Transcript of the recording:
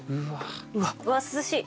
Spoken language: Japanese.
わっ涼しい。